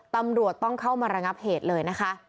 ตำรวจต้องเข้ามาระงับเหตุเลยนะคะ